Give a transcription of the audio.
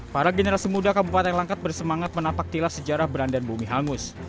para generasi muda kabupaten langkat bersemangat menapak tilas sejarah belanda dan bumi halmus